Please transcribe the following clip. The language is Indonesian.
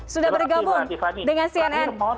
sudah bergabung dengan cnn